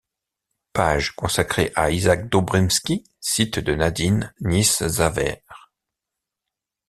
Page consacrée à Isaac Dobrinsky, site de Nadine Nieszawer.